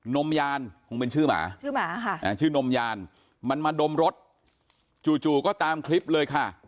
นมยานคงเป็นชื่อหมาชื่อหมาค่ะชื่อนมยานมันมาดมรถจู่ก็ตามคลิปเลยค่ะ